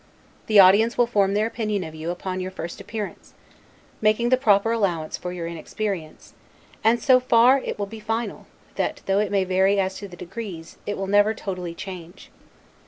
The audience will form their opinion of you upon your first appearance (making the proper allowance for your inexperience), and so far it will be final, that, though it may vary as to the degrees, it will never totally change.